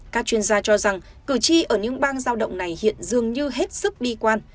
các chuyên gia cho rằng cử tri ở những bang giao động này hiện dường như hết sức bi quan